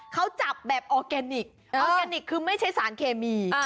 เขาจับแบบออร์แกนิคออร์แกนิคคือไม่ใช่สารเคมี